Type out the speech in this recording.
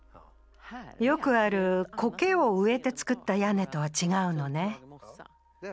よくあるコケを植えてつくった屋根とは違うのね。